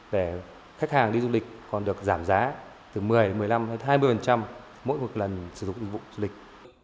để khách hàng đi du lịch còn được giảm giá từ một mươi một mươi năm hai mươi mỗi lần sử dụng dịch vụ du lịch